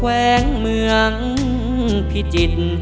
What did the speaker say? แวงเมืองพิจิตร